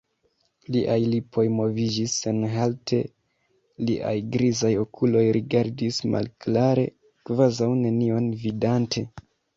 Liaj lipoj moviĝis senhalte, liaj grizaj okuloj rigardis malklare, kvazaŭ nenion vidante.